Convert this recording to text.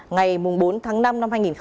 ngày bốn tháng năm năm hai nghìn hai mươi bốn